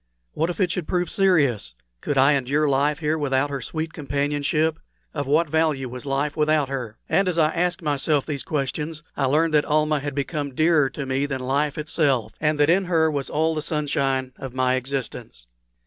What if it should prove serious? Could I endure life here without her sweet companionship? Of what value was life without her? And as I asked myself these questions I learned that Almah had become dearer to me than life itself, and that in her was all the sunshine of my existence.